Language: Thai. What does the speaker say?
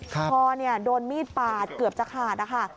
คอโดนมีดปาดเกือบจะขาดนะคะ